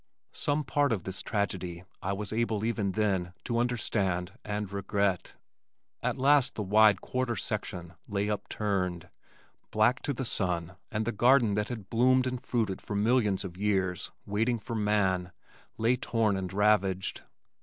Some part of this tragedy I was able even then to understand and regret. At last the wide "quarter section" lay upturned, black to the sun and the garden that had bloomed and fruited for millions of years, waiting for man, lay torn and ravaged.